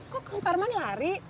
kok kang parman lari